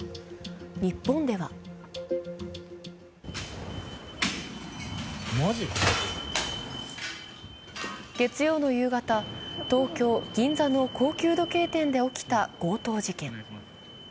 日本では月曜の夕方、東京・銀座の高級時計店で起きた強盗事件。